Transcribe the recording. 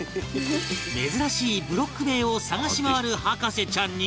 珍しいブロック塀を探し回る博士ちゃんに